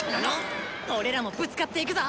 俺らもぶつかっていくぞ！